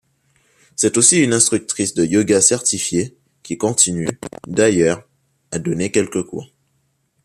C'est aussi une instructrice de yoga certifiée, qui continue, d'ailleurs, à donner quelques cours.